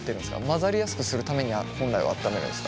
混ざりやすくするために本来は温めるんですか？